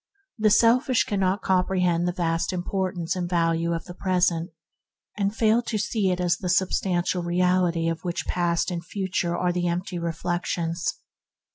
The selfish cannot comprehend the vast importance and value of the present, and fail to see it as the sub stantial reality of which past and future are the empty reflections.